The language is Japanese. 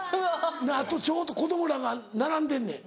あと腸と子供らが並んでんねん。